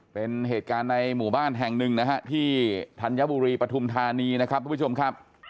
เป็นเหตุการณ์ในหมู่บ้านแห่งหนึ่งนะฮะที่ธัญบุรีปฐุมธานีนะครับทุกผู้ชมครับ